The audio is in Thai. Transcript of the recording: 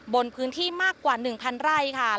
บนพื้นที่มากกว่า๑๐๐ไร่ค่ะ